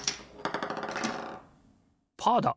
パーだ！